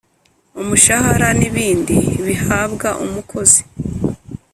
umushahara n’ibindi bihabwa umukozi